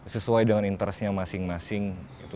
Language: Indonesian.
sesuai dengan interestnya masing masing